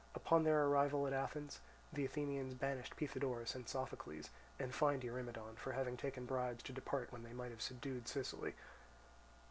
Upon their arrival at Athens, the Athenians banished Pythodorus and Sophocles, and fined Eurymedon for having taken bribes to depart when they might have subdued Sicily.